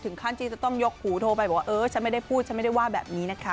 ขั้นที่จะต้องยกหูโทรไปบอกว่าเออฉันไม่ได้พูดฉันไม่ได้ว่าแบบนี้นะคะ